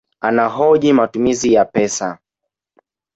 Anahoji matumizi ya pesa